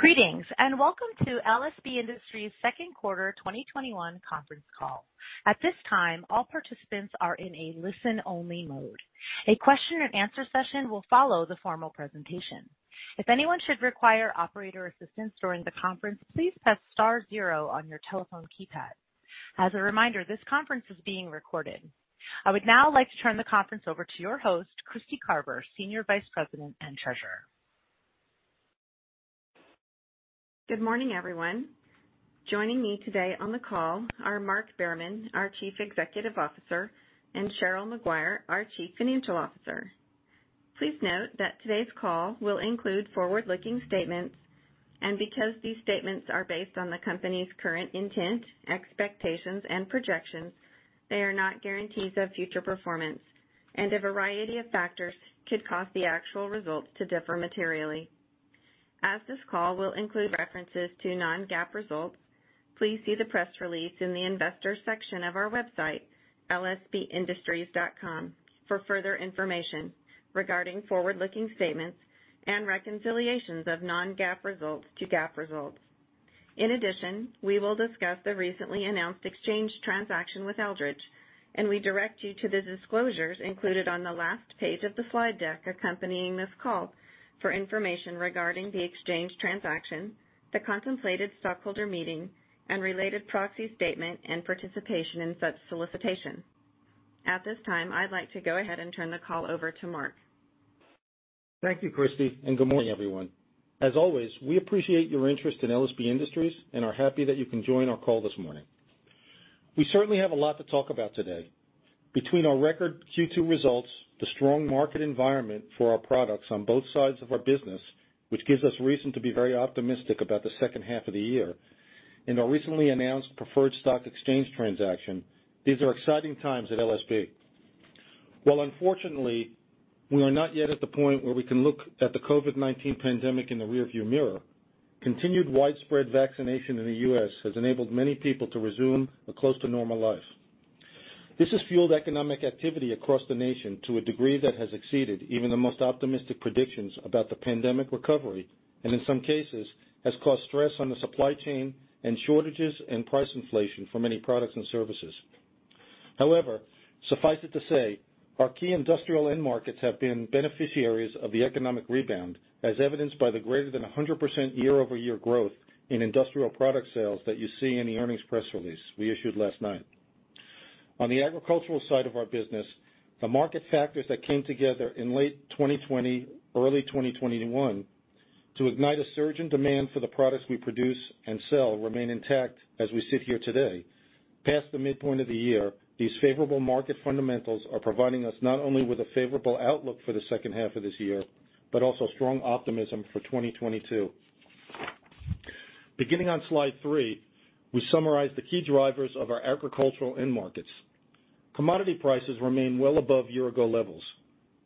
Greetings, and welcome to LSB Industries' Second Quarter 2021 Conference Call. At this time, all participants are in a listen-only mode. A question and answer session will follow the formal presentation. If anyone should require operator assistance during the conference, please press star zero on your telephone keypad. As a reminder, this conference is being recorded. I would now like to turn the conference over to your host, Kristy Carver, Senior Vice President and Treasurer. Good morning, everyone. Joining me today on the call are Mark Behrman, our Chief Executive Officer, and Cheryl Maguire, our Chief Financial Officer. Please note that today's call will include forward-looking statements. Because these statements are based on the company's current intent, expectations, and projections, they are not guarantees of future performance, and a variety of factors could cause the actual results to differ materially. As this call will include references to non-GAAP results, please see the press release in the investor section of our website, lsbindustries.com, for further information regarding forward-looking statements and reconciliations of non-GAAP results to GAAP results. In addition, we will discuss the recently announced exchange transaction with Eldridge, and we direct you to the disclosures included on the last page of the slide deck accompanying this call for information regarding the exchange transaction, the contemplated stockholder meeting, and related proxy statement and participation in such solicitation. At this time, I'd like to go ahead and turn the call over to Mark. Thank you, Kristy. Good morning, everyone. As always, we appreciate your interest in LSB Industries and are happy that you can join our call this morning. We certainly have a lot to talk about today. Between our record Q2 results, the strong market environment for our products on both sides of our business, which gives us reason to be very optimistic about the second half of the year, and our recently announced preferred stock exchange transaction, these are exciting times at LSB. While unfortunately, we are not yet at the point where we can look at the COVID-19 pandemic in the rearview mirror, continued widespread vaccination in the U.S. has enabled many people to resume a close-to-normal life. This has fueled economic activity across the nation to a degree that has exceeded even the most optimistic predictions about the pandemic recovery, and in some cases, has caused stress on the supply chain and shortages and price inflation for many products and services. However, suffice it to say, our key industrial end markets have been beneficiaries of the economic rebound, as evidenced by the greater than 100% year-over-year growth in industrial product sales that you see in the earnings press release we issued last night. On the agricultural side of our business, the market factors that came together in late 2020, early 2021 to ignite a surge in demand for the products we produce and sell remain intact as we sit here today. Past the midpoint of the year, these favorable market fundamentals are providing us not only with a favorable outlook for the second half of this year, but also strong optimism for 2022. Beginning on slide three, we summarize the key drivers of our agricultural end markets. Commodity prices remain well above year-ago levels.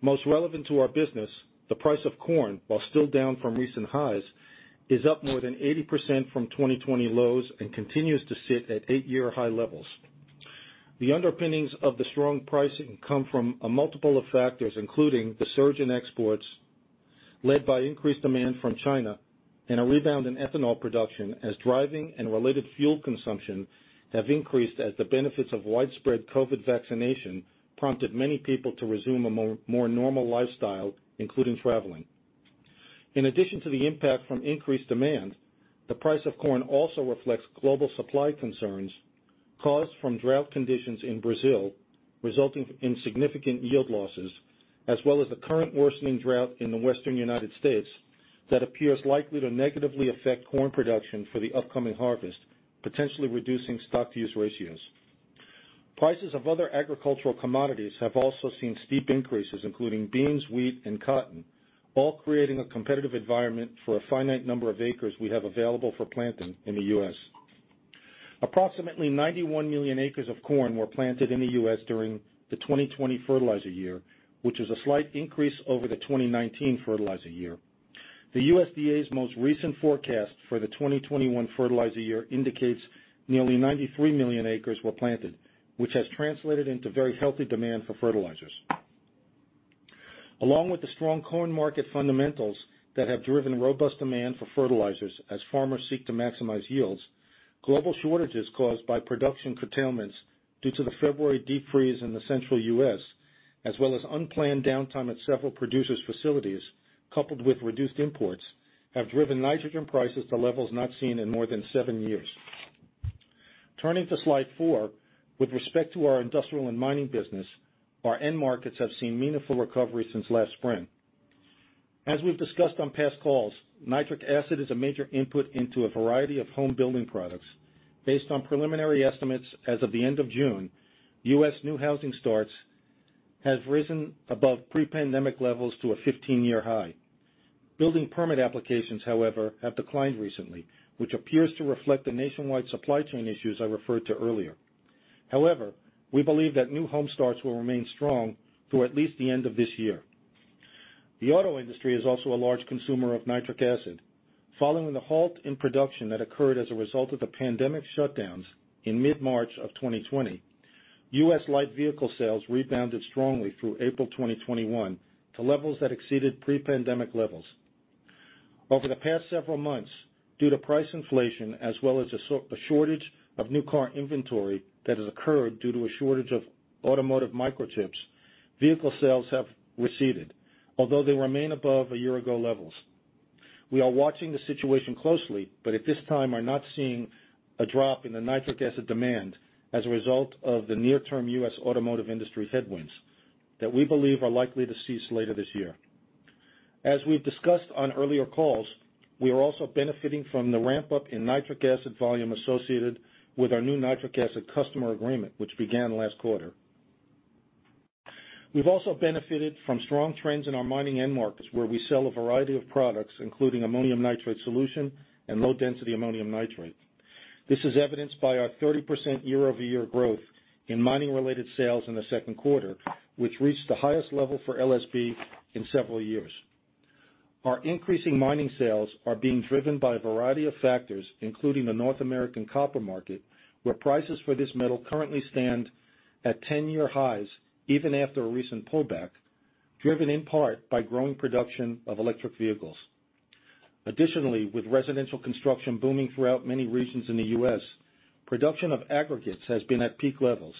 Most relevant to our business, the price of corn, while still down from recent highs, is up more than 80% from 2020 lows and continues to sit at eight-year high levels. The underpinnings of the strong pricing come from a multiple of factors, including the surge in exports led by increased demand from China and a rebound in ethanol production as driving and related fuel consumption have increased as the benefits of widespread COVID vaccination prompted many people to resume a more normal lifestyle, including traveling. In addition to the impact from increased demand, the price of corn also reflects global supply concerns caused from drought conditions in Brazil, resulting in significant yield losses, as well as the current worsening drought in the Western United States that appears likely to negatively affect corn production for the upcoming harvest, potentially reducing stock to use ratios. Prices of other agricultural commodities have also seen steep increases, including beans, wheat, and cotton, all creating a competitive environment for a finite number of acres we have available for planting in the U.S. Approximately 91 million acres of corn were planted in the U.S. during the 2020 fertilizer year, which is a slight increase over the 2019 fertilizer year. The USDA's most recent forecast for the 2021 fertilizer year indicates nearly 93 million acres were planted, which has translated into very healthy demand for fertilizers. Along with the strong corn market fundamentals that have driven robust demand for fertilizers as farmers seek to maximize yields, global shortages caused by production curtailments due to the February deep freeze in the central U.S., as well as unplanned downtime at several producers' facilities, coupled with reduced imports, have driven nitrogen prices to levels not seen in more than seven years. Turning to slide four, with respect to our industrial and mining business, our end markets have seen meaningful recovery since last spring. As we've discussed on past calls, nitric acid is a major input into a variety of home building products. Based on preliminary estimates as of the end of June, U.S. new housing starts have risen above pre-pandemic levels to a 15-year high. Building permit applications, however, have declined recently, which appears to reflect the nationwide supply chain issues I referred to earlier. However, we believe that new home starts will remain strong through at least the end of this year. The auto industry is also a large consumer of nitric acid. Following the halt in production that occurred as a result of the pandemic shutdowns in mid-March of 2020, U.S. light vehicle sales rebounded strongly through April 2021 to levels that exceeded pre-pandemic levels. Over the past several months, due to price inflation as well as a shortage of new car inventory that has occurred due to a shortage of automotive microchips, vehicle sales have receded, although they remain above a year-ago levels. We are watching the situation closely, but at this time are not seeing a drop in the nitric acid demand as a result of the near-term U.S. automotive industry headwinds that we believe are likely to cease later this year. As we've discussed on earlier calls, we are also benefiting from the ramp-up in nitric acid volume associated with our new nitric acid customer agreement, which began last quarter. We've also benefited from strong trends in our mining end markets, where we sell a variety of products, including ammonium nitrate solution and low-density ammonium nitrate. This is evidenced by our 30% year-over-year growth in mining-related sales in the second quarter, which reached the highest level for LSB in several years. Our increasing mining sales are being driven by a variety of factors, including the North American copper market, where prices for this metal currently stand at 10-year highs even after a recent pullback, driven in part by growing production of electric vehicles. Additionally, with residential construction booming throughout many regions in the U.S., production of aggregates has been at peak levels.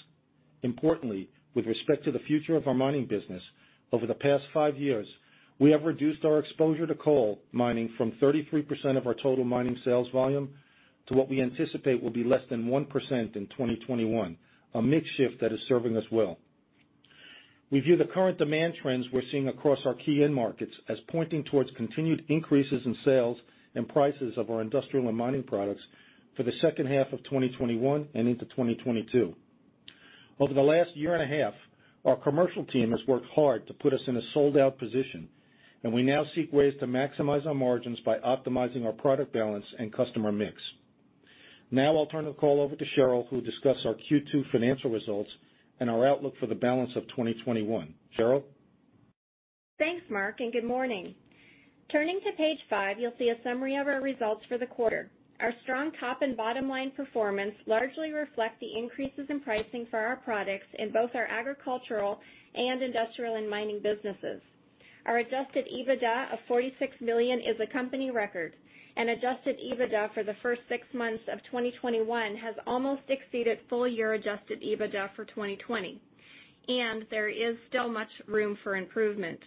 Importantly, with respect to the future of our mining business, over the past five years, we have reduced our exposure to coal mining from 35% of our total mining sales volume to what we anticipate will be less than 1% in 2021, a mix shift that is serving us well. We view the current demand trends we're seeing across our key end markets as pointing towards continued increases in sales and prices of our industrial and mining products for the second half of 2021 and into 2022. Over the last year and a half, our commercial team has worked hard to put us in a sold-out position, we now seek ways to maximize our margins by optimizing our product balance and customer mix. Now I'll turn the call over to Cheryl, who will discuss our Q2 financial results and our outlook for the balance of 2021. Cheryl? Thanks, Mark, and good morning. Turning to page five, you'll see a summary of our results for the quarter. Our strong top and bottom line performance largely reflect the increases in pricing for our products in both our agricultural and industrial and mining businesses. Our adjusted EBITDA of $46 million is a company record, and adjusted EBITDA for the first six months of 2021 has almost exceeded full-year adjusted EBITDA for 2020, and there is still much room for improvement.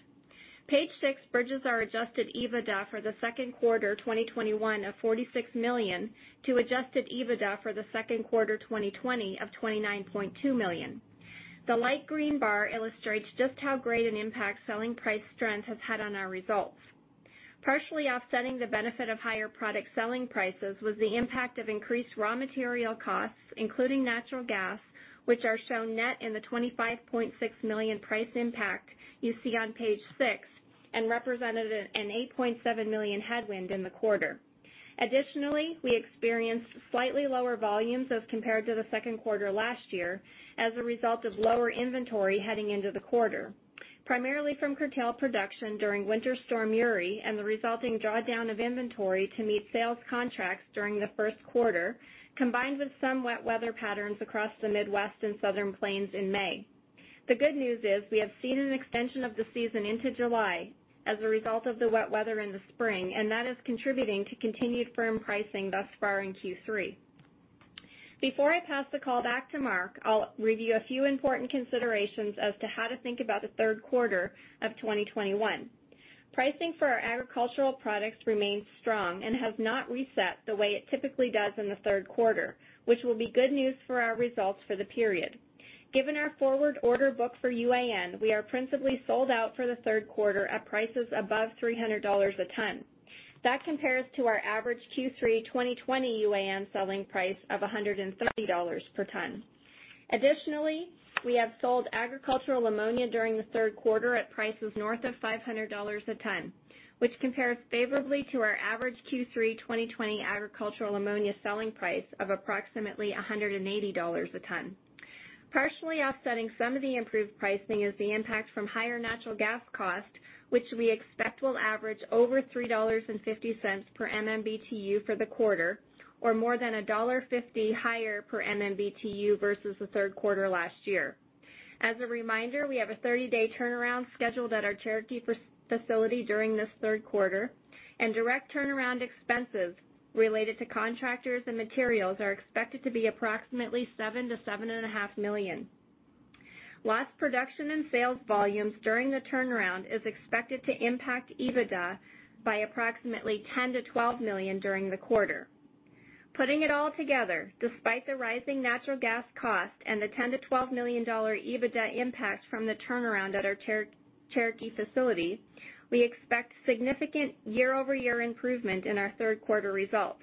Page six bridges our adjusted EBITDA for the second quarter 2021 of $46 million to adjusted EBITDA for the second quarter 2020 of $29.2 million. The light green bar illustrates just how great an impact selling price strength has had on our results. Partially offsetting the benefit of higher product selling prices was the impact of increased raw material costs, including natural gas, which are shown net in the $25.6 million price impact you see on page six and represented an $8.7 million headwind in the quarter. Additionally, we experienced slightly lower volumes as compared to the second quarter last year as a result of lower inventory heading into the quarter, primarily from curtailed production during Winter Storm Uri and the resulting drawdown of inventory to meet sales contracts during the first quarter, combined with some wet weather patterns across the Midwest and Southern Plains in May. The good news is we have seen an extension of the season into July as a result of the wet weather in the spring, and that is contributing to continued firm pricing thus far in Q3. Before I pass the call back to Mark, I'll review a few important considerations as to how to think about the third quarter of 2021. Pricing for our agricultural products remains strong and has not reset the way it typically does in the third quarter, which will be good news for our results for the period. Given our forward order book for UAN, we are principally sold out for the third quarter at prices above $300 a ton. That compares to our average Q3 2020 UAN selling price of $130 per ton. Additionally, we have sold agricultural ammonia during the third quarter at prices north of $500 a ton, which compares favorably to our average Q3 2020 agricultural ammonia selling price of approximately $180 a ton. Partially offsetting some of the improved pricing is the impact from higher natural gas cost, which we expect will average over $3.50 per MMBtu for the quarter, or more than $1.50 higher per MMBtu versus the third quarter last year. As a reminder, we have a 30-day turnaround scheduled at our Cherokee facility during this third quarter, and direct turnaround expenses related to contractors and materials are expected to be approximately $7 million-$7.5 million. Lost production and sales volumes during the turnaround is expected to impact EBITDA by approximately $10 million-$12 million during the quarter. Putting it all together, despite the rising natural gas cost and the $10 million-$12 million EBITDA impact from the turnaround at our Cherokee facility, we expect significant year-over-year improvement in our third quarter results.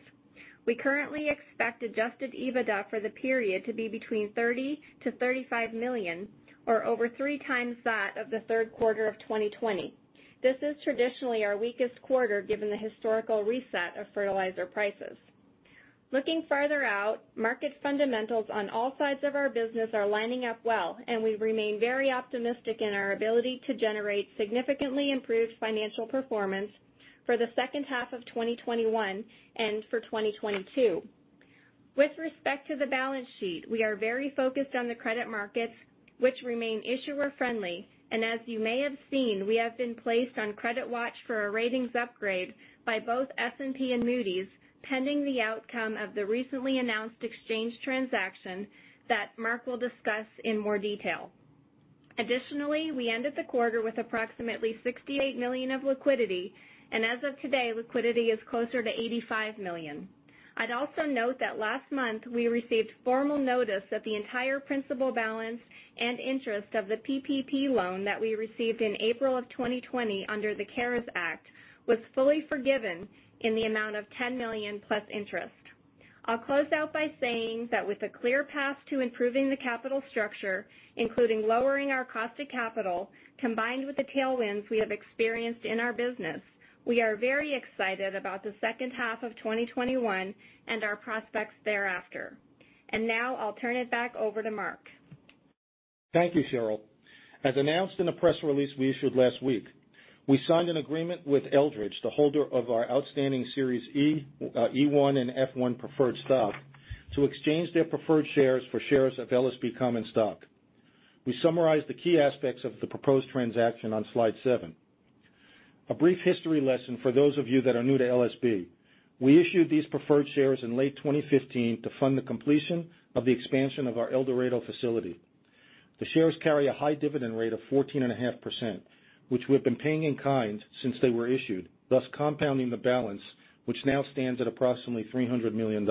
We currently expect adjusted EBITDA for the period to be between $30 million-$35 million, or over 3x that of the third quarter of 2020. This is traditionally our weakest quarter given the historical reset of fertilizer prices. Looking farther out, market fundamentals on all sides of our business are lining up well, we remain very optimistic in our ability to generate significantly improved financial performance for the second half of 2021 and for 2022. With respect to the balance sheet, we are very focused on the credit markets, which remain issuer-friendly. As you may have seen, we have been placed on credit watch for a ratings upgrade by both S&P and Moody's, pending the outcome of the recently announced exchange transaction that Mark will discuss in more detail. Additionally, we ended the quarter with approximately $68 million of liquidity, and as of today, liquidity is closer to $85 million. I'd also note that last month we received formal notice that the entire principal balance and interest of the PPP loan that we received in April 2020 under the CARES Act was fully forgiven in the amount of $10 million+ interest. I'll close out by saying that with a clear path to improving the capital structure, including lowering our cost of capital, combined with the tailwinds we have experienced in our business, we are very excited about the second half of 2021 and our prospects thereafter. Now I'll turn it back over to Mark. Thank you, Cheryl. As announced in a press release we issued last week, we signed an agreement with Eldridge, the holder of our outstanding Series E, E1, and F1 preferred stock, to exchange their preferred shares for shares of LSB common stock. We summarize the key aspects of the proposed transaction on slide seven. A brief history lesson for those of you that are new to LSB. We issued these preferred shares in late 2015 to fund the completion of the expansion of our El Dorado facility. The shares carry a high dividend rate of 14.5%, which we've been paying in kind since they were issued, thus compounding the balance, which now stands at approximately $300 million.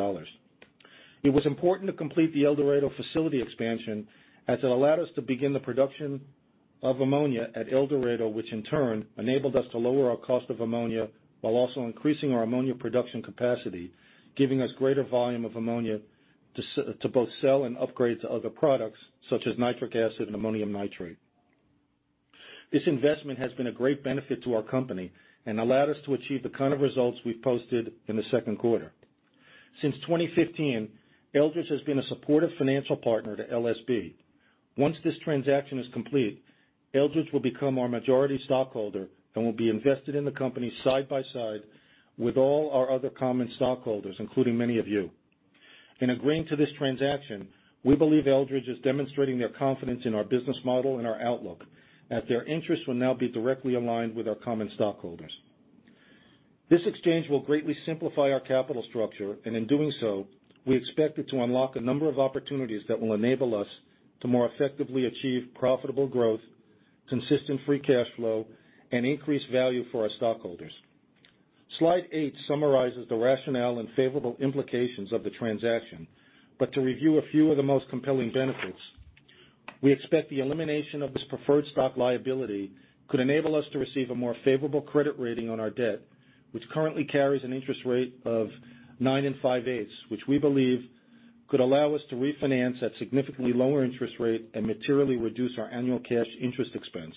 It was important to complete the El Dorado facility expansion as it allowed us to begin the production of ammonia at El Dorado, which in turn enabled us to lower our cost of ammonia while also increasing our ammonia production capacity, giving us greater volume of ammonia to both sell and upgrade to other products such as nitric acid and ammonium nitrate. This investment has been a great benefit to our company and allowed us to achieve the kind of results we've posted in the second quarter. Since 2015, Eldridge has been a supportive financial partner to LSB. Once this transaction is complete, Eldridge will become our majority stockholder and will be invested in the company side by side with all our other common stockholders, including many of you. In agreeing to this transaction, we believe Eldridge is demonstrating their confidence in our business model and our outlook, as their interests will now be directly aligned with our common stockholders. This exchange will greatly simplify our capital structure, and in doing so, we expect it to unlock a number of opportunities that will enable us to more effectively achieve profitable growth, consistent free cash flow, and increased value for our stockholders. Slide eight summarizes the rationale and favorable implications of the transaction. To review a few of the most compelling benefits, we expect the elimination of this preferred stock liability could enable us to receive a more favorable credit rating on our debt, which currently carries an interest rate of 9 5/8%, which we believe could allow us to refinance at significantly lower interest rate and materially reduce our annual cash interest expense.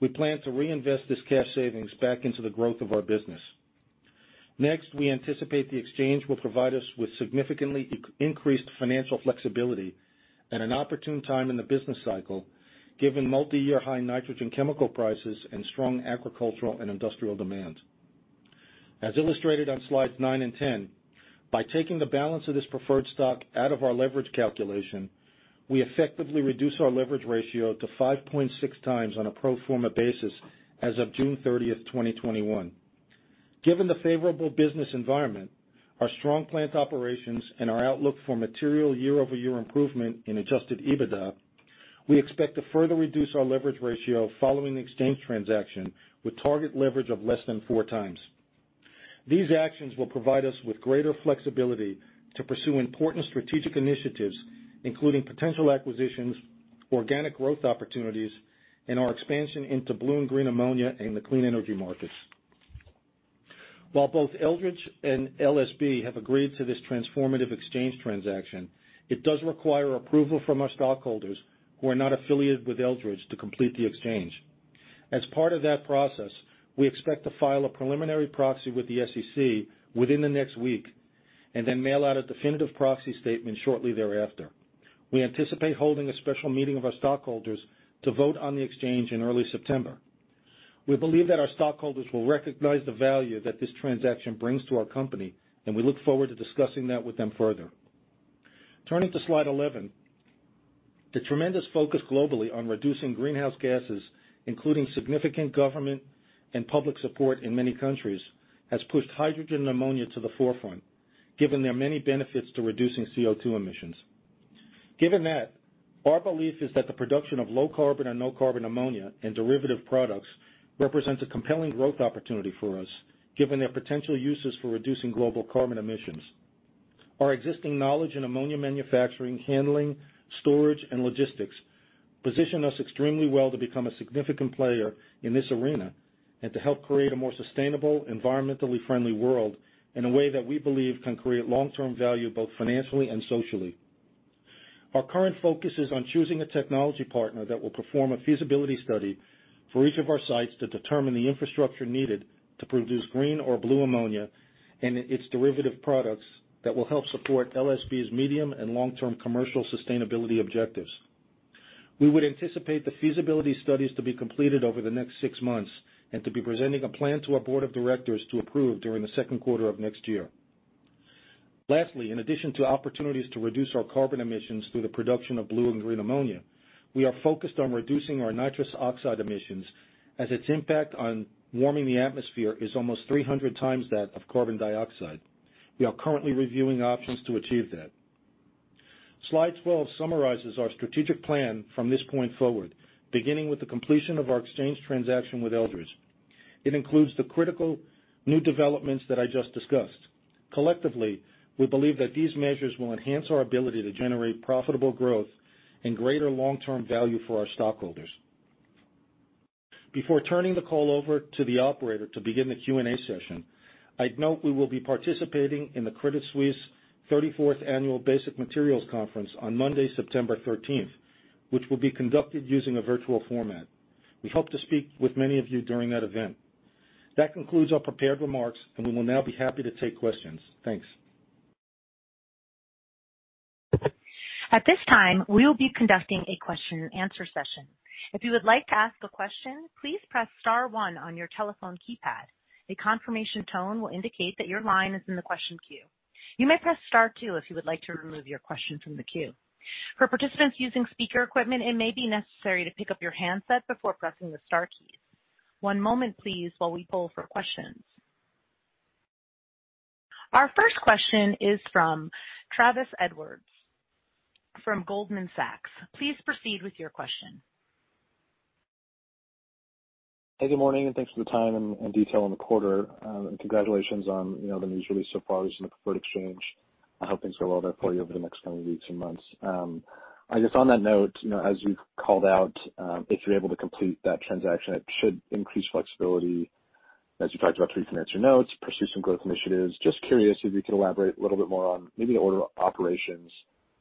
We plan to reinvest this cash savings back into the growth of our business. Next, we anticipate the exchange will provide us with significantly increased financial flexibility at an opportune time in the business cycle, given multi-year high nitrogen chemical prices and strong agricultural and industrial demand. As illustrated on slides nine and 10, by taking the balance of this preferred stock out of our leverage calculation, we effectively reduce our leverage ratio to 5.6x on a pro forma basis as of June 30th, 2021. Given the favorable business environment, our strong plant operations, and our outlook for material year-over-year improvement in adjusted EBITDA, we expect to further reduce our leverage ratio following the exchange transaction with target leverage of less than 4x. These actions will provide us with greater flexibility to pursue important strategic initiatives, including potential acquisitions, organic growth opportunities, and our expansion into blue ammonia and green ammonia in the clean energy markets. While both Eldridge and LSB have agreed to this transformative exchange transaction, it does require approval from our stockholders who are not affiliated with Eldridge to complete the exchange. As part of that process, we expect to file a preliminary proxy with the SEC within the next week and then mail out a definitive proxy statement shortly thereafter. We anticipate holding a special meeting of our stockholders to vote on the exchange in early September. We believe that our stockholders will recognize the value that this transaction brings to our company, and we look forward to discussing that with them further. Turning to slide 11, the tremendous focus globally on reducing greenhouse gases, including significant government and public support in many countries, has pushed hydrogen ammonia to the forefront, given their many benefits to reducing CO2 emissions. Given that, our belief is that the production of low-carbon and no-carbon ammonia and derivative products represents a compelling growth opportunity for us, given their potential uses for reducing global carbon emissions. Our existing knowledge in ammonia manufacturing, handling, storage, and logistics position us extremely well to become a significant player in this arena and to help create a more sustainable, environmentally friendly world in a way that we believe can create long-term value, both financially and socially. Our current focus is on choosing a technology partner that will perform a feasibility study for each of our sites to determine the infrastructure needed to produce green or blue ammonia and its derivative products that will help support LSB's medium and long-term commercial sustainability objectives. We would anticipate the feasibility studies to be completed over the next six months, and to be presenting a plan to our board of directors to approve during the second quarter of next year. Lastly, in addition to opportunities to reduce our carbon emissions through the production of blue and green ammonia, we are focused on reducing our nitrous oxide emissions, as its impact on warming the atmosphere is almost 300 times that of carbon dioxide. We are currently reviewing options to achieve that. Slide 12 summarizes our strategic plan from this point forward, beginning with the completion of our exchange transaction with Eldridge. It includes the critical new developments that I just discussed. Collectively, we believe that these measures will enhance our ability to generate profitable growth and greater long-term value for our stockholders. Before turning the call over to the operator to begin the Q&A session, I'd note we will be participating in the Credit Suisse 34th Annual Basic Materials Conference on Monday, September 13th, which will be conducted using a virtual format. We hope to speak with many of you during that event. That concludes our prepared remarks, and we will now be happy to take questions. Thanks. At this time, we will be conducting a question and answer session. If you would like to ask a question, please press star one on your telephone keypad. The confirmation tone will indicate that your line is in the question queue. You may press star two if you would like to remove your question from the queue. For participants using speaker equipment, it may be necessary to pick up your handset before pressing the star keys. One moment please while we poll for questions. Our first question is from Travis Edwards from Goldman Sachs. Please proceed with your question. Hey, good morning. Thanks for the time and detail on the quarter. Congratulations on the news release so far on the preferred exchange. I hope things go well there for you over the next coming weeks and months. I guess on that note, as you've called out, if you're able to complete that transaction, it should increase flexibility, as you talked about, to refinance your notes, pursue some growth initiatives. Curious if you could elaborate a little bit more on maybe the order of operations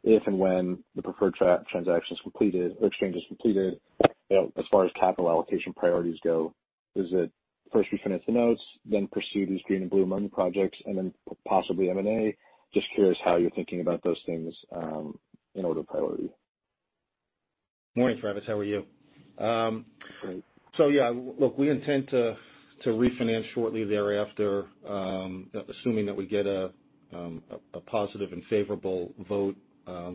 if and when the preferred transaction is completed or exchange is completed. As far as capital allocation priorities go, is it first refinance the notes, pursue these green and blue ammonia projects, then possibly M&A? Curious how you're thinking about those things in order of priority. Morning, Travis. How are you? Great. Yeah, look, we intend to refinance shortly thereafter, assuming that we get a positive and favorable vote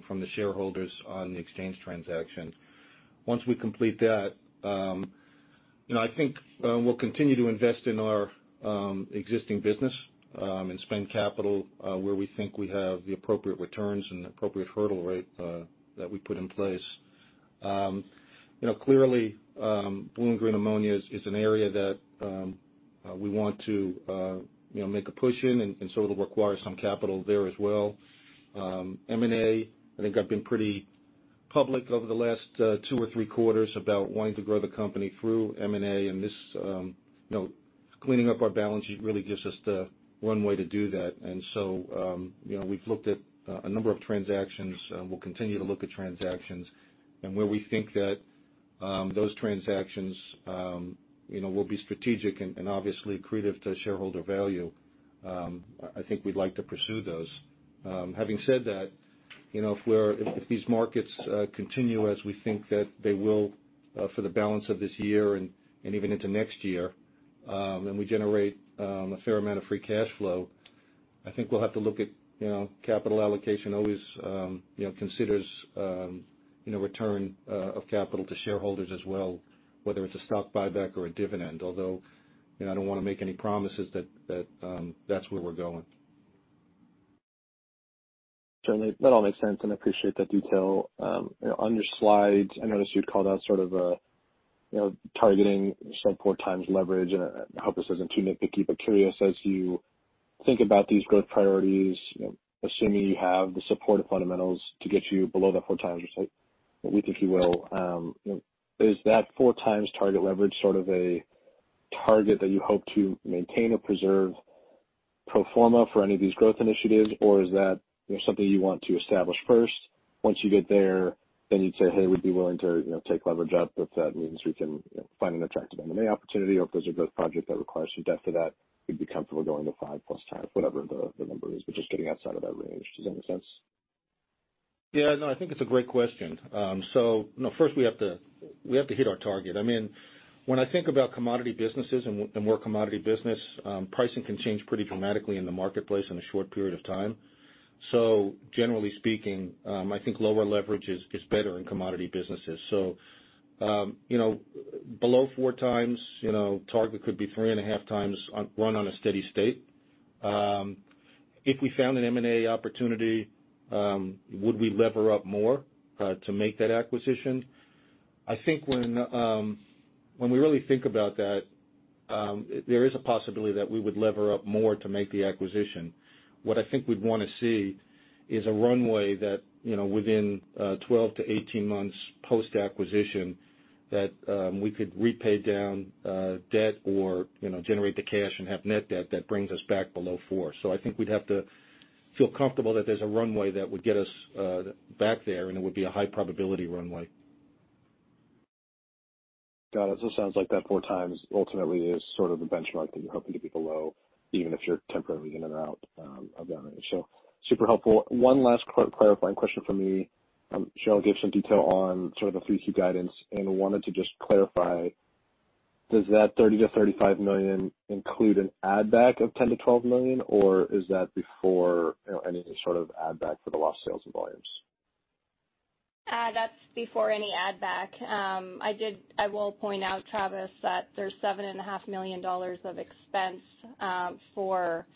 from the shareholders on the exchange transaction. Once we complete that, I think we'll continue to invest in our existing business and spend capital where we think we have the appropriate returns and appropriate hurdle rate that we put in place. Clearly, blue and green ammonia is an area that we want to make a push in, it'll require some capital there as well. M&A, I think I've been pretty public over the last two or three quarters about wanting to grow the company through M&A, and cleaning up our balance sheet really gives us the one way to do that. We've looked at a number of transactions, and we'll continue to look at transactions. Where we think that those transactions will be strategic and obviously accretive to shareholder value, I think we'd like to pursue those. Having said that, if these markets continue as we think that they will for the balance of this year and even into next year, and we generate a fair amount of free cash flow, I think we'll have to look at capital allocation always considers return of capital to shareholders as well, whether it's a stock buyback or a dividend. Although, I don't want to make any promises that that's where we're going. Certainly. That all makes sense, and I appreciate that detail. On your slides, I noticed you had called out sort of targeting sort of 4x leverage, and I hope this isn't too nitpicky, but curious as you think about these growth priorities, assuming you have the supportive fundamentals to get you below the 4x or at least if you will, is that 4x target leverage sort of a target that you hope to maintain or preserve pro forma for any of these growth initiatives? Or is that something you want to establish first? Once you get there, then you'd say, "Hey, we'd be willing to take leverage up if that means we can find an attractive M&A opportunity, or if there's a growth project that requires some debt for that, we'd be comfortable going to 5+ times," whatever the number is, but just getting outside of that range. Does that make sense? Yeah. No, I think it's a great question. First we have to hit our target. When I think about commodity businesses and more commodity business, pricing can change pretty dramatically in the marketplace in a short period of time. Generally speaking, I think lower leverage is better in commodity businesses. Below 4x, target could be 3.5x run on a steady state. If we found an M&A opportunity, would we lever up more to make that acquisition? I think when we really think about that, there is a possibility that we would lever up more to make the acquisition. What I think we'd want to see is a runway that within 12-18 months post-acquisition that we could repay down debt or generate the cash and have net debt that brings us back below four. I think we'd have to feel comfortable that there's a runway that would get us back there, and it would be a high probability runway. Got it. It sounds like that 4x ultimately is sort of the benchmark that you're hoping to be below, even if you're temporarily in and out of downtime. Super helpful. One last clarifying question from me. Cheryl gave some detail on sort of the 3Q guidance and wanted to just clarify, does that $30 million-$35 million include an add back of $10 million-$12 million, or is that before any sort of add back for the lost sales and volumes? That's before any add back. I will point out, Travis, that there's $7.5 million of expense for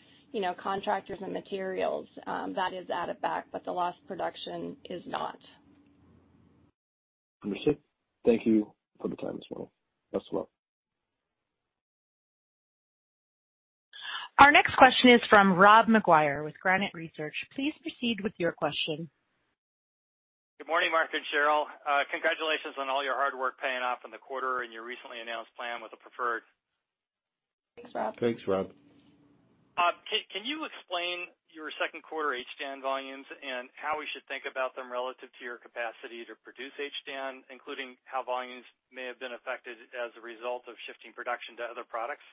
contractors and materials. That is added back, but the lost production is not. Understood. Thank you for the time as well. Best of luck. Our next question is from Rob McGuire with Granite Research. Please proceed with your question. Good morning, Mark and Cheryl. Congratulations on all your hard work paying off in the quarter and your recently announced plan with the preferred. Thanks, Rob. Thanks, Rob. Can you explain your second quarter HDAN volumes and how we should think about them relative to your capacity to produce HDAN, including how volumes may have been affected as a result of shifting production to other products?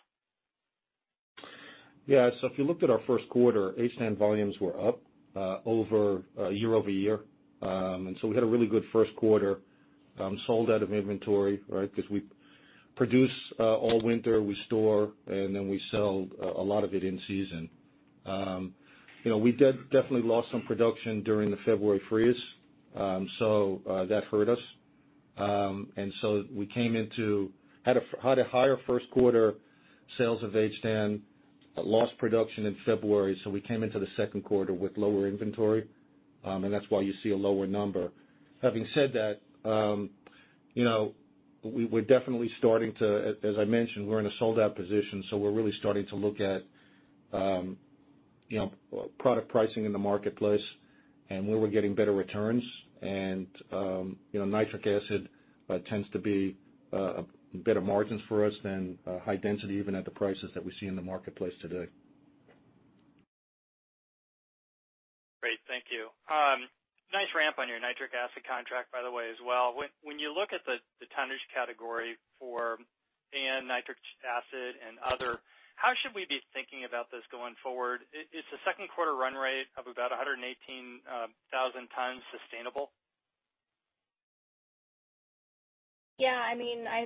Yeah. If you looked at our first quarter, HDAN volumes were up year-over-year. We had a really good first quarter, sold out of inventory, right? Because we produce all winter, we store, and then we sell a lot of it in season. We did definitely lost some production during the February freeze, so that hurt us. We had a higher first quarter sales of HDAN, lost production in February, so we came into the second quarter with lower inventory, and that's why you see a lower number. Having said that, we're definitely starting, as I mentioned, we're in a sold-out position, so we're really starting to look at product pricing in the marketplace and where we're getting better returns. Nitric acid tends to be better margins for us than high density, even at the prices that we see in the marketplace today. Great. Thank you. Nice ramp on your nitric acid contract, by the way, as well. When you look at the tonnage category for AN, nitric acid, and other, how should we be thinking about this going forward? Is the second quarter run rate of about 118,000 tons sustainable? Yeah.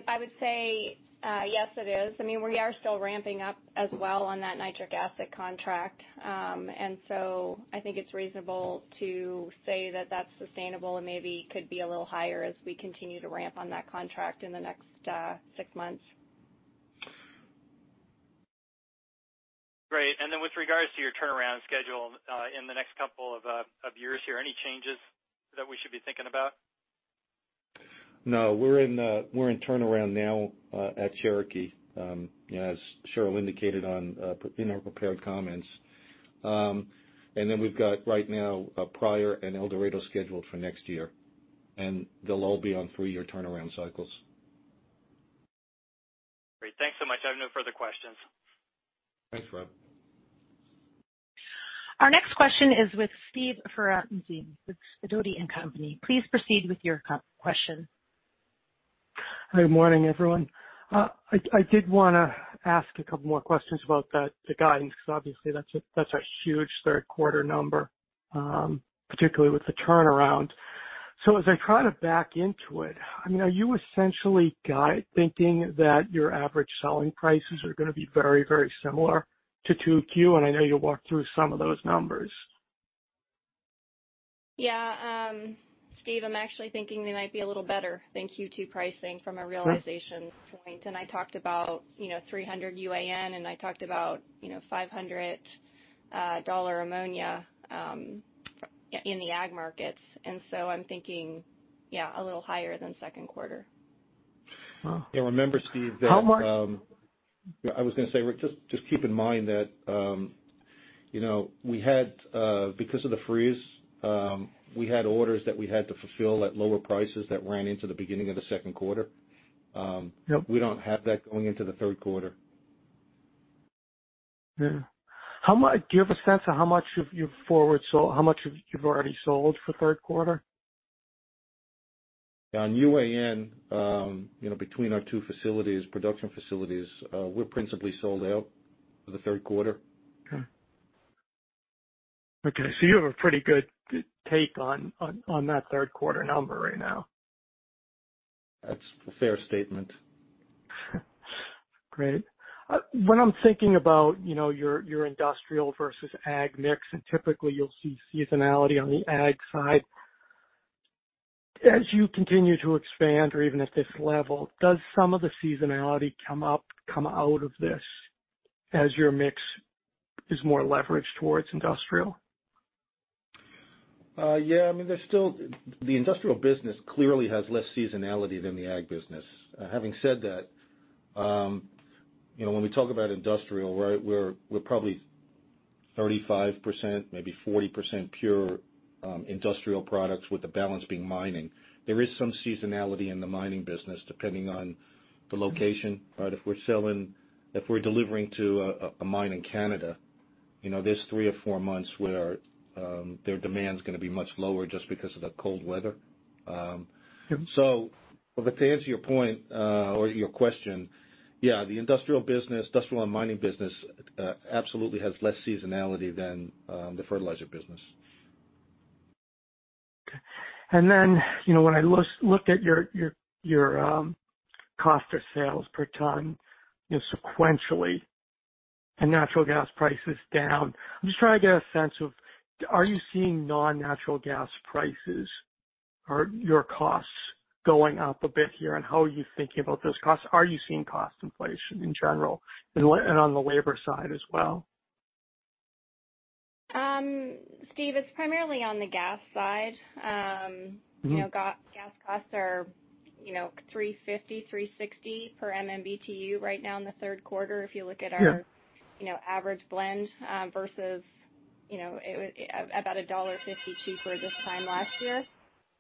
I would say, yes, it is. We are still ramping up as well on that nitric acid contract. I think it's reasonable to say that that's sustainable and maybe could be a little higher as we continue to ramp on that contract in the next six months. Great. Then with regards to your turnaround schedule, in the next couple of years here, any changes that we should be thinking about? No, we're in turnaround now at Cherokee, as Cheryl indicated in her prepared comments. We've got right now Pryor and El Dorado scheduled for next year, and they'll all be on three-year turnaround cycles. Great. Thanks so much. I have no further questions. Thanks, Rob. Our next question is with Steve Ferazani with Sidoti & Company. Please proceed with your question. Good morning, everyone. I did want to ask a couple more questions about the guidance, because obviously that's a huge third quarter number, particularly with the turnaround. As I try to back into it, are you essentially guide thinking that your average selling prices are going to be very similar to 2Q? I know you walked through some of those numbers. Yeah. Steve, I'm actually thinking they might be a little better than Q2 pricing from a realization point. I talked about $300 UAN, and I talked about $500 ammonia in the ag markets. I'm thinking, yeah, a little higher than second quarter. Wow. Remember, Steve. How much- I was going to say, just keep in mind that because of the freeze, we had orders that we had to fulfill at lower prices that ran into the beginning of the second quarter. Yep. We don't have that going into the third quarter. Yeah. Do you have a sense of how much you've already sold for third quarter? On UAN, between our two production facilities, we're principally sold out for the third quarter. Okay. You have a pretty good take on that third quarter number right now. That's a fair statement. Great. When I'm thinking about your industrial versus ag mix, and typically you'll see seasonality on the ag side. As you continue to expand or even at this level, does some of the seasonality come out of this as your mix is more leveraged towards industrial? Yeah. The industrial business clearly has less seasonality than the ag business. Having said that, when we talk about industrial, we're probably 35%, maybe 40% pure industrial products with the balance being mining. There is some seasonality in the mining business, depending on the location. If we're delivering to a mine in Canada, there's three or four months where their demand's going to be much lower just because of the cold weather. Yep. To answer your point, or your question, yeah, the industrial business, industrial and mining business, absolutely has less seasonality than the fertilizer business. Okay. Then, when I look at your cost of sales per ton sequentially and natural gas prices down, I'm just trying to get a sense of, are you seeing non-natural gas prices? Are your costs going up a bit here, and how are you thinking about those costs? Are you seeing cost inflation in general, and on the labor side as well? Steve, it's primarily on the gas side. Gas costs are $3.50-$3.60 per MMBtu right now in the third quarter, if you look at our - Sure - average blend versus about $1.52 this time last year.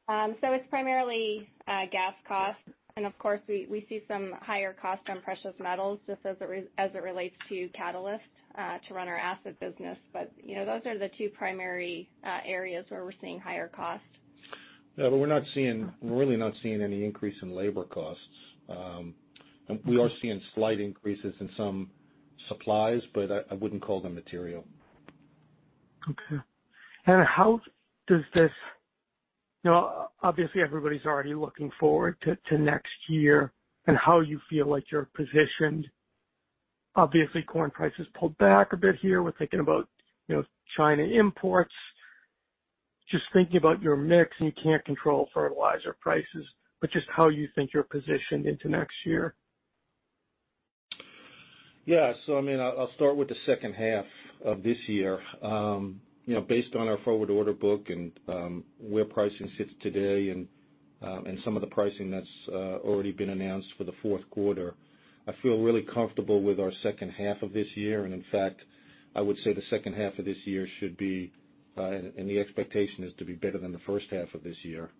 It's primarily gas costs, and of course, we see some higher costs on precious metals just as it relates to catalyst to run our acid business. Those are the two primary areas where we're seeing higher costs. Yeah, we're really not seeing any increase in labor costs. We are seeing slight increases in some supplies, but I wouldn't call them material. Okay. Obviously everybody's already looking forward to next year and how you feel like you're positioned. Obviously, corn prices pulled back a bit here. We're thinking about China imports. Just thinking about your mix, and you can't control fertilizer prices, but just how you think you're positioned into next year. Yeah. I'll start with the second half of this year. Based on our forward order book and where pricing sits today and some of the pricing that's already been announced for the fourth quarter, I feel really comfortable with our second half of this year. In fact, I would say the second half of this year should be, and the expectation is to be better than the first half of this year.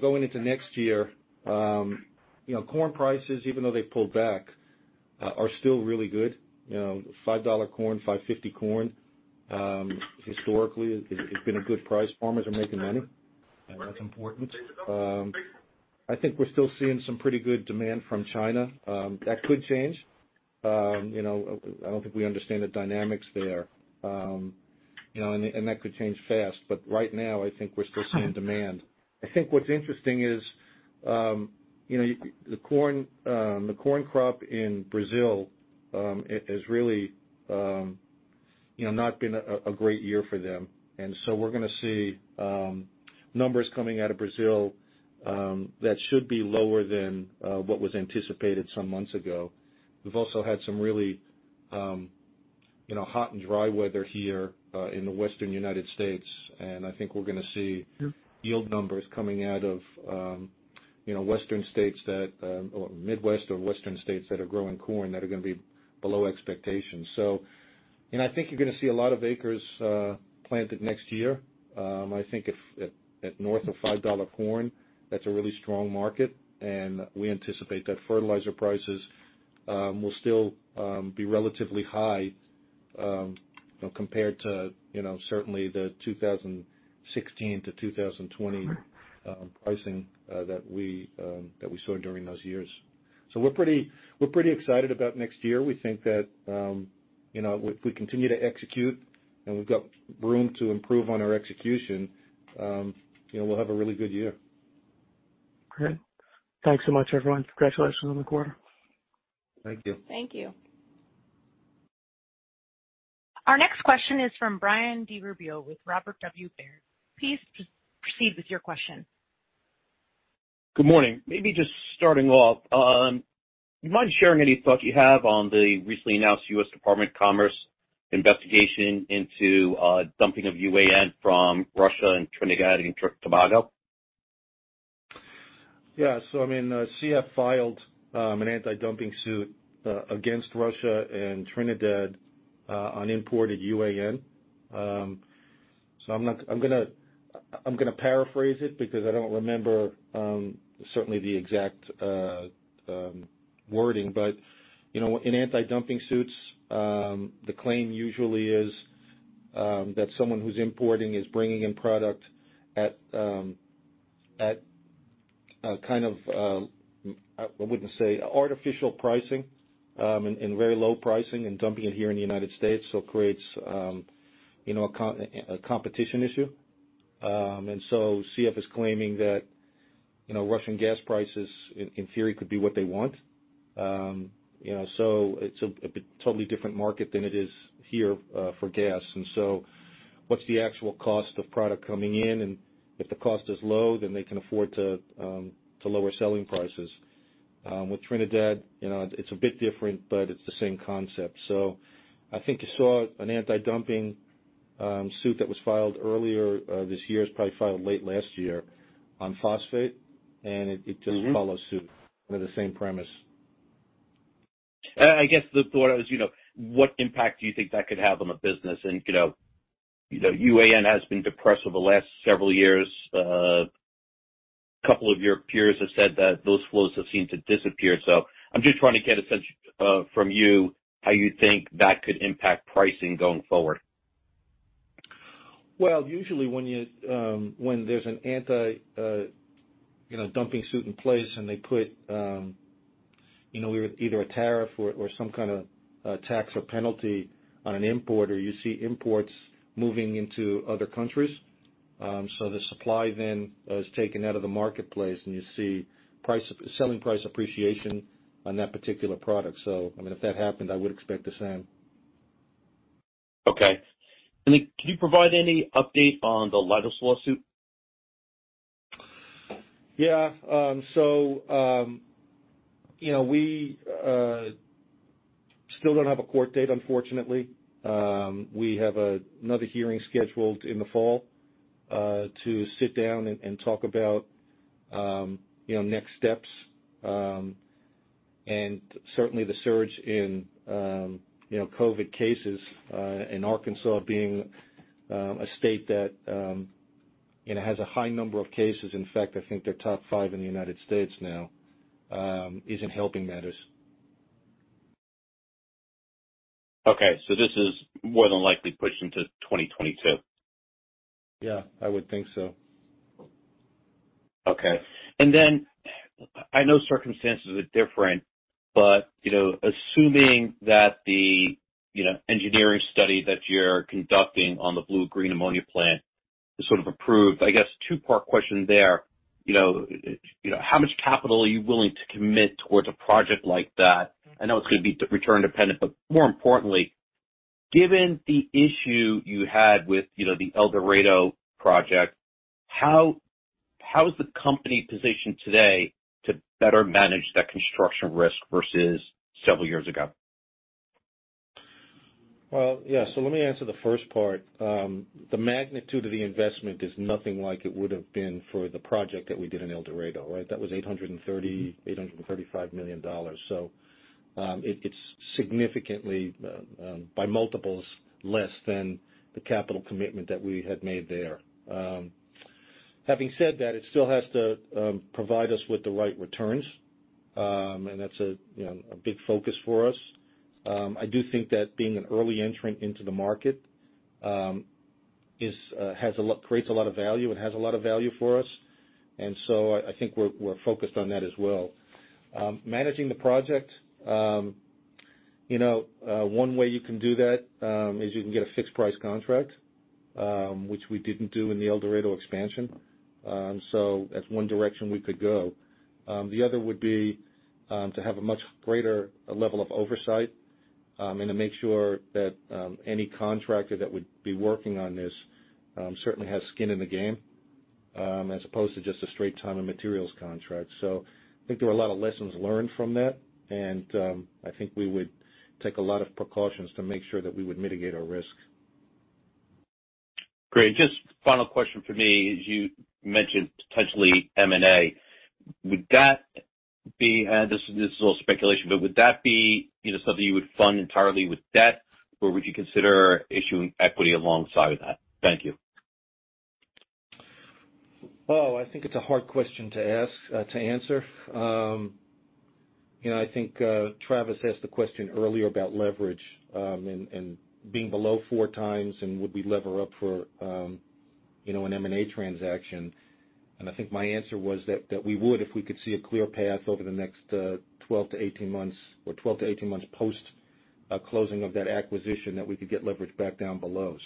Going into next year, corn prices, even though they've pulled back, are still really good. $5 corn, $5.50 corn. Historically, it's been a good price. Farmers are making money, and that's important. I think we're still seeing some pretty good demand from China. That could change. I don't think we understand the dynamics there. That could change fast, but right now, I think we're still seeing demand. I think what's interesting is the corn crop in Brazil has really not been a great year for them, and so we're going to see numbers coming out of Brazil that should be lower than what was anticipated some months ago. We've also had some really hot and dry weather here in the Western U.S., and I think we're going to see - Sure - yield numbers coming out of Midwest or Western states that are growing corn that are going to be below expectations. I think you're going to see a lot of acres planted next year. I think at north of $5 corn, that's a really strong market, and we anticipate that fertilizer prices will still be relatively high compared to certainly the 2016 to 2020 pricing that we saw during those years. We're pretty excited about next year. We think that if we continue to execute, and we've got room to improve on our execution, we'll have a really good year. Okay. Thanks so much, everyone. Congratulations on the quarter. Thank you. Thank you. Our next question is from Brian DiRubbio with Robert W. Baird. Please proceed with your question. Good morning. Maybe just starting off, you mind sharing any thoughts you have on the recently announced U.S. Department of Commerce investigation into dumping of UAN from Russia and Trinidad and Tobago? Yeah. CF filed an anti-dumping suit against Russia and Trinidad on imported UAN. I'm going to paraphrase it because I don't remember certainly the exact wording. In anti-dumping suits, the claim usually is that someone who's importing is bringing in product at a kind of, I wouldn't say artificial pricing, and very low pricing and dumping it here in the U.S., so it creates a competition issue. CF is claiming that Russian gas prices, in theory, could be what they want. It's a totally different market than it is here for gas. What's the actual cost of product coming in? If the cost is low, then they can afford to lower selling prices. With Trinidad, it's a bit different, but it's the same concept. I think you saw an anti-dumping suit that was filed earlier this year. It was probably filed late last year on phosphate, and it just follows suit with the same premise. I guess the thought is what impact do you think that could have on the business? UAN has been depressed over the last several years. A couple of your peers have said that those flows have seemed to disappear. I'm just trying to get a sense from you how you think that could impact pricing going forward. Well, usually when there's an anti-dumping suit in place and they put either a tariff or some kind of tax or penalty on an import, or you see imports moving into other countries. The supply then is taken out of the marketplace, and you see selling price appreciation on that particular product. If that happened, I would expect the same. Okay. Can you provide any update on the Leidos lawsuit? Yeah. We still don't have a court date, unfortunately. We have another hearing scheduled in the fall to sit down and talk about next steps. Certainly the surge in COVID cases, and Arkansas being a state that has a high number of cases, in fact, I think they're top five in the United States now, isn't helping matters. Okay, this is more than likely pushed into 2022. Yeah, I would think so. Okay. I know circumstances are different, but assuming that the engineering study that you're conducting on the blue green ammonia plant is sort of approved, I guess two-part question there. How much capital are you willing to commit towards a project like that? I know it's going to be return-dependent. More importantly, given the issue you had with the El Dorado project, how is the company positioned today to better manage that construction risk versus several years ago? Well, yeah. Let me answer the first part. The magnitude of the investment is nothing like it would've been for the project that we did in El Dorado, right? That was $830, $835 million. It's significantly by multiples less than the capital commitment that we had made there. Having said that, it still has to provide us with the right returns. That's a big focus for us. I do think that being an early entrant into the market creates a lot of value and has a lot of value for us. I think we're focused on that as well. Managing the project, one way you can do that, is you can get a fixed price contract, which we didn't do in the El Dorado expansion. That's one direction we could go. The other would be to have a much greater level of oversight, and to make sure that any contractor that would be working on this certainly has skin in the game, as opposed to just a straight time and materials contract. I think there were a lot of lessons learned from that, and I think we would take a lot of precautions to make sure that we would mitigate our risk. Great. Just final question from me is, you mentioned potentially M&A. This is all speculation, but would that be something you would fund entirely with debt, or would you consider issuing equity alongside of that? Thank you. I think it's a hard question to answer. I think Travis asked the question earlier about leverage, and being below 4x and would we lever up for an M&A transaction. I think my answer was that we would if we could see a clear path over the next 12-18 months or 12-18 months post-closing of that acquisition, that we could get leverage back down below.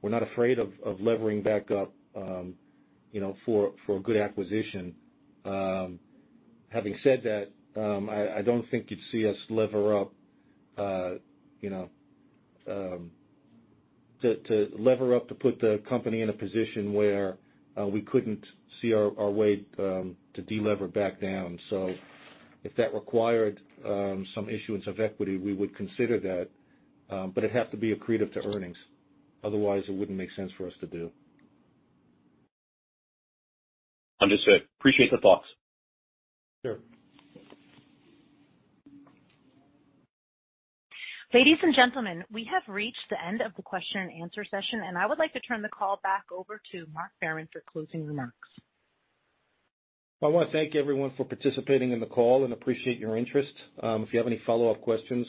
We're not afraid of levering back up for a good acquisition. Having said that, I don't think you'd see us lever up to put the company in a position where we couldn't see our way to de-lever back down. If that required some issuance of equity, we would consider that. It'd have to be accretive to earnings. Otherwise, it wouldn't make sense for us to do. Understood. Appreciate the thoughts. Sure. Ladies and gentlemen, we have reached the end of the question and answer session. I would like to turn the call back over to Mark Behrman for closing remarks. I want to thank everyone for participating in the call and appreciate your interest. If you have any follow-up questions,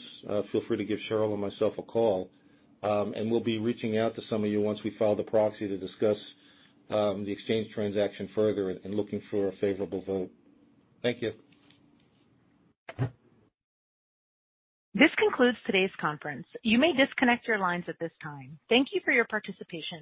feel free to give Cheryl or myself a call. We'll be reaching out to some of you once we file the proxy to discuss the exchange transaction further and looking for a favorable vote. Thank you. This concludes today's conference. You may disconnect your lines at this time. Thank you for your participation.